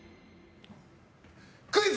クイズ！